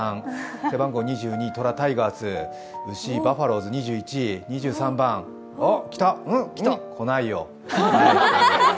背番号２２とら、タイガース、バファローズ２３番、おっ、来た、来た来ないよ。